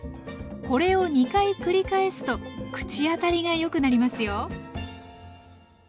これを２回繰り返すと口当たりがよくなりますよ。